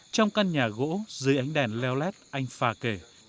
trong căn nhà gỗ dưới ánh đèn leo lét anh phà kể